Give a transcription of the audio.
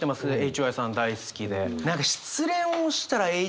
ＨＹさん大好きで。